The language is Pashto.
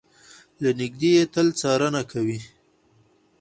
له نږدې يې تل څارنه کوي.